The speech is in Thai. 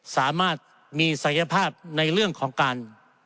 สามารถมีศักยภาพในเรื่องของการ